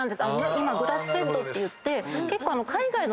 今グラスフェッドっていって結構海外の輸入の。